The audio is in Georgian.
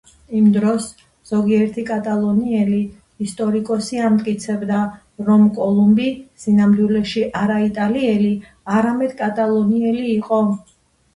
იმ დროს ზოგიერთი კატალონიელი ისტორიკოსი ამტკიცებდა, რომ კოლუმბი სინამდვილეში არა იტალიელი, არამედ კატალონიელი იყო.